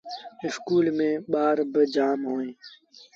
اسڪول ميݩ ٻآر با جآم اوهيݩ ۔